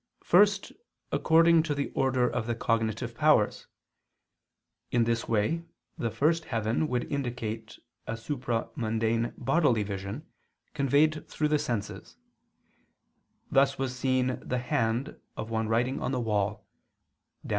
First, according to the order of the cognitive powers. In this way the first heaven would indicate a supramundane bodily vision, conveyed through the senses; thus was seen the hand of one writing on the wall (Dan.